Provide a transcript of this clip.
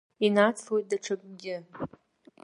Инацлоит даҽакгьы.